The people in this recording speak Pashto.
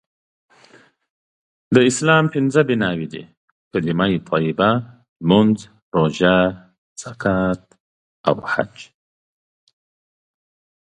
د اسلام پنځه بنأوي دي.کلمه طیبه.لمونځ.روژه.زکات.او حج